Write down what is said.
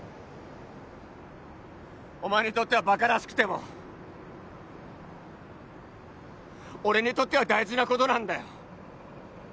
お前にとってはバカらしくても俺にとっては大事なことなんだよ